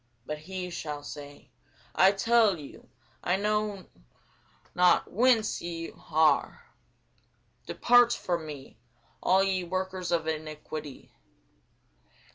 But he shall say, I tell you, I know you not whence ye are; depart from me, all ye workers of iniquity.